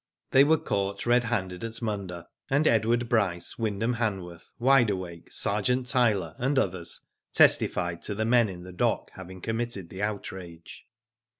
They were caught red handed at Munda, and Edward Bryce, Wyndham Hanworth, Wide Awake, Ser geant Tyler, and others, testified to the men in the dock having committed the outrage.